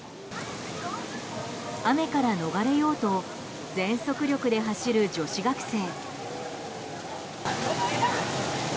雨から逃れようと全速力で走る女子学生。